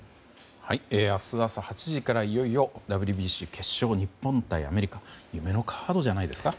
明日朝８時から、いよいよＷＢＣ決勝日本対アメリカ夢のカードじゃないですか。